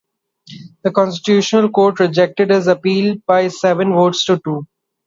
The Constitutional Court rejected his appeal by seven votes to two.